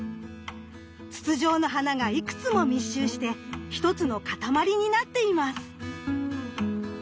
筒状の花がいくつも密集して一つのかたまりになっています。